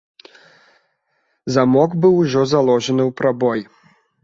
Замок быў ужо заложаны ў прабой.